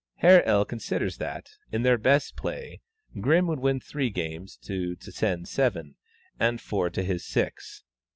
Herr L. considers that, in their best play, Grimm would win three games to Zsen's seven, and four to his six.